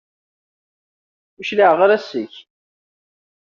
Ur cliɛeɣ ara seg-k.